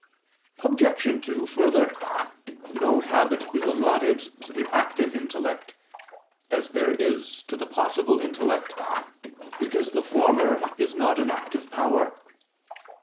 Obj. 2: Further, no habit is allotted to the active intellect, as there is to the "possible" intellect, because the former is an active power.